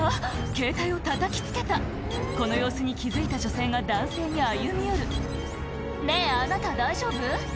ケータイをたたきつけたこの様子に気付いた女性が男性に歩み寄る「ねぇあなた大丈夫？」